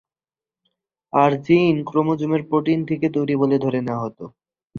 আর gene, ক্রোমোজোমের protein থেকে তৈরি বলে ধরে নেয়া হত।